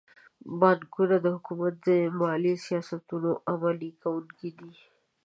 بانکونه د حکومت د مالي سیاستونو عملي کوونکي دي.